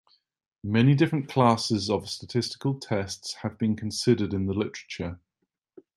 Many different classes of statistical tests have been considered in the literature.